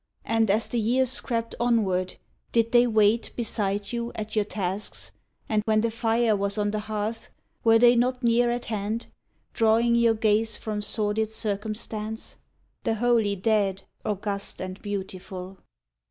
And as the years crept onward, did they wait Beside you at your tasks, and when the fire Was on the hearth, were they not near at hand, Drawing your gaze from sordid circumstance? The holy dead, august and beautiful!